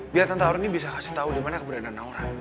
biar tante aure ini bisa kasih tau dimana keberadaan naura